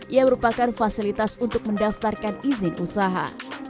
yang merupakan fasilitas untuk mendaftarkan izin usaha